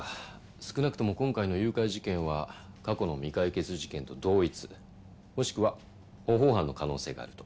少なくとも今回の誘拐事件は過去の未解決事件と同一もしくは模倣犯の可能性があると。